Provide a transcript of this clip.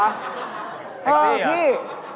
แท็กซี่หรอพี่